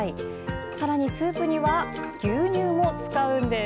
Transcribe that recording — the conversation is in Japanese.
さらにスープには牛乳も使うんです。